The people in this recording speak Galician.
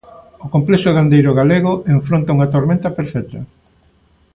O complexo gandeiro galego enfronta unha tormenta perfecta.